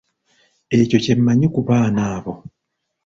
Ekyo kye mmanyi ku baana abo.